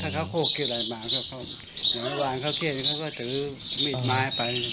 เขาโคกเครียดอะไรมาก็เมื่อวานเขาเครียดเขาก็ถือมีดไม้ไป